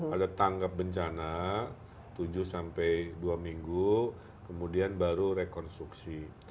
ada tanggap bencana tujuh sampai dua minggu kemudian baru rekonstruksi